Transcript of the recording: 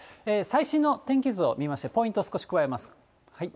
最新の天気図を見まして、ポイント、少し加えます。